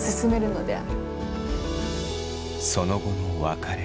その後の別れ。